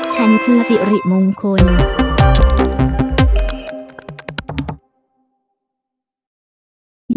ฉันคือสิริมงคล